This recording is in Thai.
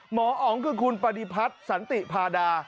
หมออ๋องคือคุณปฏิพัฒน์สันติพาดา